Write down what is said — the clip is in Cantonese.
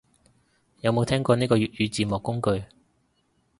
有冇聽過呢個粵語字幕工具